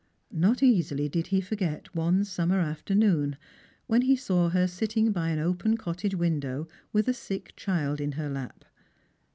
Not easily did he forget one summer afternoon, when he saw her sitting by an open cottage window with a sick child in her lap.